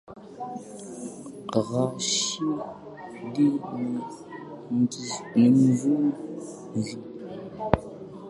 Rashidi ni mvuvi